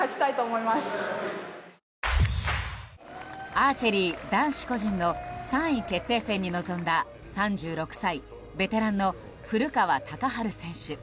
アーチェリー男子個人の３位決定戦に臨んだ３６歳、ベテランの古川高晴選手。